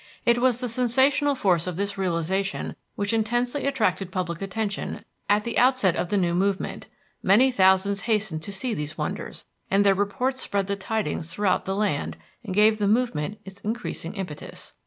It was the sensational force of this realization which intensely attracted public attention at the outset of the new movement; many thousands hastened to see these wonders, and their reports spread the tidings throughout the land and gave the movement its increasing impetus.